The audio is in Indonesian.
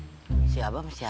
aduh si abang siapet tuh